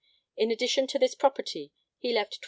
In addition to this property, he left 20_l.